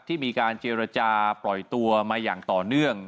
ที่มีการเจรจาปล่อยตัวมาอย่างต่อเนื่อง